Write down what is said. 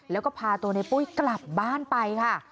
แล้วก็พาตัวในปุ้ยกลับบ้านไปค่ะ